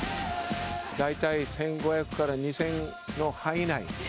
大体１５００から２０００の範囲内。